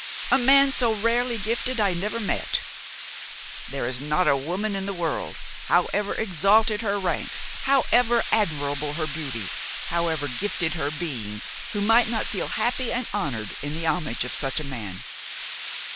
A man so rarely gifted I never met. There is not a woman in the world, however exalted her rank, however admirable her beauty, however gifted her being, who might not feel happy and honoured in the homage of such a man.